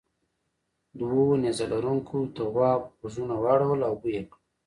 دوو نیزه لرونکو تواب غوږونه واړول او بوی یې کړ.